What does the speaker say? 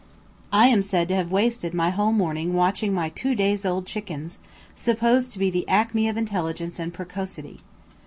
I am said to have wasted my whole morning watching my two days old chickens, supposed to be the acme of intelligence and precocity.